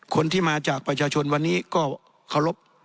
คนที่มาจากประชาชนวันนี้ก็เคารพ